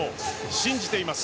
信じています。